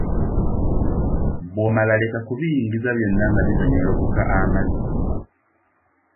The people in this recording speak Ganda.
Bw‘omala leka kubiyingiza byonna nga bitonyolokoka amazzi.